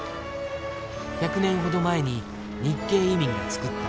１００年ほど前に日系移民がつくった街。